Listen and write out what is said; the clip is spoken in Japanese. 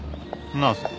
なぜ？